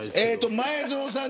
前園さん